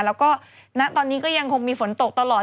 แล้วก็ณตอนนี้ก็ยังคงมีฝนตกตลอด